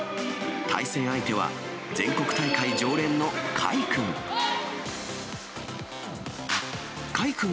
対戦相手は、全国大会常連の甲斐君。